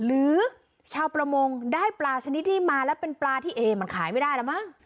หรือชาวประมงได้ปลาชนิดนี้มาแล้วเป็นปลาที่เอมันขายไม่ได้แล้วมั้ง